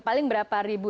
paling berapa ribu